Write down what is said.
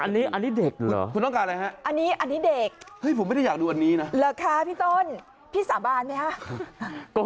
อันนี้เด็กเหรออันนี้เด็กวันน่ะพี่โต้นพี่สาบาลไหมคะ